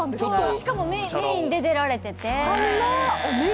しかもメインで出られてて。